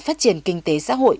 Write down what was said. phát triển kinh tế xã hội